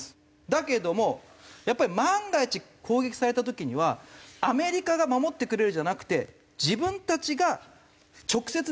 だけどもやっぱり万が一攻撃された時にはアメリカが守ってくれるじゃなくて自分たちが直接ねロシアに行って反撃する。